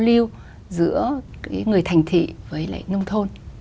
yêu giữa người thành thị với lại nông thôn